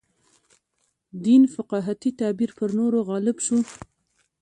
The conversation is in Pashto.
دین فقاهتي تعبیر پر نورو غالب شو.